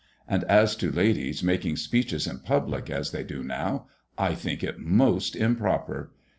And as to ladies making speeches in public, as they do now, I think it most improper.